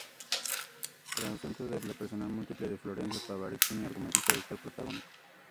Trasunto de la personalidad múltiple de Florencio Parravicini, argumentista y actor protagónico.